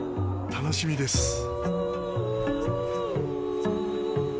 楽しみです。